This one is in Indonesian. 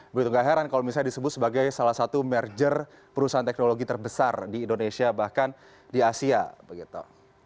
begitu gak heran kalau misalnya disebut sebagai salah satu merger perusahaan teknologi terbesar di indonesia bahkan di asia begitu